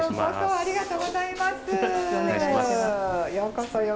ありがとうございます。